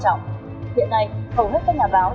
hiện nay hầu hết các nhà báo đều tham gia mạng xã hội